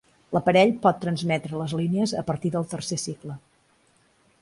L'aparell pot transmetre les línies a partir del tercer cicle.